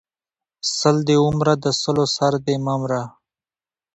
سل دې ومره د سلو سر دې مه مره!